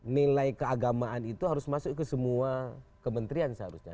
nilai keagamaan itu harus masuk ke semua kementerian seharusnya